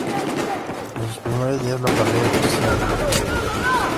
En sus primeros días la parrilla consistía en bloques de videoclips.